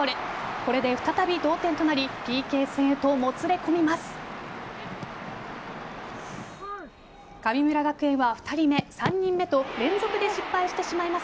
これで再び同点となりＰＫ戦へともつれこみます。